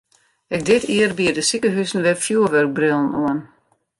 Ek dit jier biede sikehuzen wer fjurwurkbrillen oan.